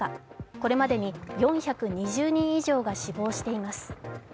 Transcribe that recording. これまでに４２０人以上が死亡しています。